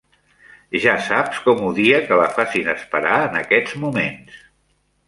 Ja saps com odia que la facin esperar en aquests moments.